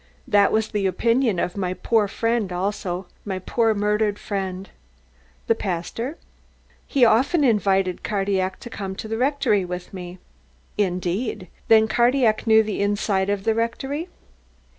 That was the opinion of my poor friend also, my poor murdered friend." "The pastor?" "The pastor. He often invited Cardillac to come to the rectory with me." "Indeed. Then Cardillac knew the inside of the rectory?"